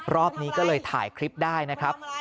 รอบนี้ก็เลยถ่ายคลิปได้นะครับ